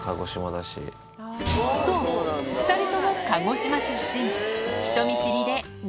そう、２人とも鹿児島出身。